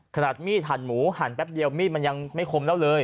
ขนาดมีดหั่นหมูหั่นแป๊บเดียวมีดมันยังไม่คมแล้วเลย